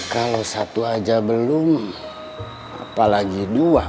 kalau satu aja belum apalagi dua